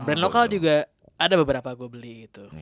brand lokal juga ada beberapa gue beli gitu